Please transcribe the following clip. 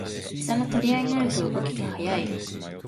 エサの取り合いになると動きが速い